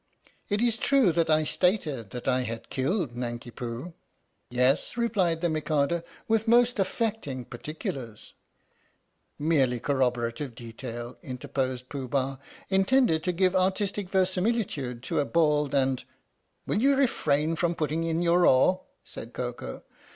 It is true that I stated that I had killed Nanki Poo " "Yes," replied the Mikado, "with most affecting particulars." " Merely corroborative detail," interposed Pooh Bah, "intended to give artistic verisimilitude to a bald and "" Will you refrain from putting in your oar?" said Koko.